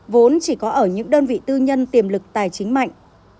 vốn chỉ có ở những đơn vị tư nhân tiềm lực tài chính mạnh